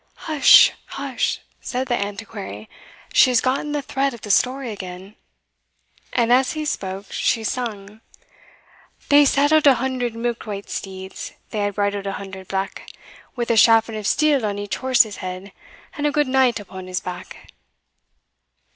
"Hush! hush!" said the Antiquary "she has gotten the thread of the story again. " And as he spoke, she sung "They saddled a hundred milk white steeds, They hae bridled a hundred black, With a chafron of steel on each horse's head, And a good knight upon his back.